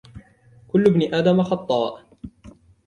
كُلّ اِبْن آدَم خَطَاء.